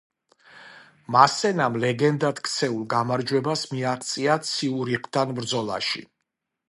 მასენამ ლეგენდად ქცეულ გამარჯვებას მიაღწია ციურიხთან ბრძოლაში.